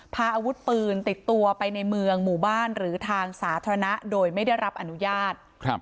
พาอาวุธปืนติดตัวไปในเมืองหมู่บ้านหรือทางสาธารณะโดยไม่ได้รับอนุญาต